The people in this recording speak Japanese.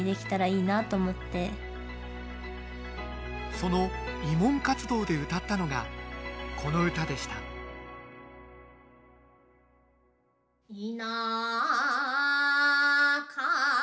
その慰問活動でうたったのがこの唄でしたいや